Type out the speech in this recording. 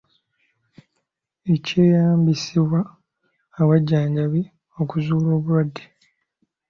Ekyeyambisibwa abajjanjabi okuzuula obulwadde.